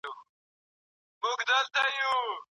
خپل رزق په خپلو مټو وګټئ.